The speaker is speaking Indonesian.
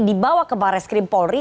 dibawa ke baris krim polri